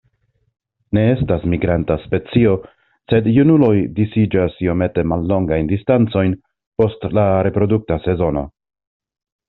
Ne estas migranta specio, sed junuloj disiĝas iomete mallongajn distancojn post la reprodukta sezono.